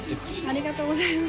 ありがとうございます。